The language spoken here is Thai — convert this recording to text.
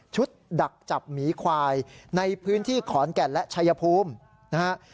ดักจับหมีควายในพื้นที่ขอนแก่นและชายภูมินะฮะ